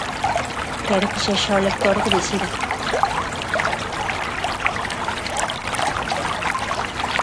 Quero que sexa o lector o que decida.